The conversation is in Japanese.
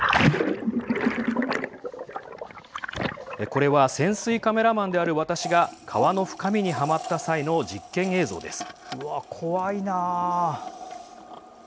これは潜水カメラマンである私が川の深みにはまった際の実験映像です。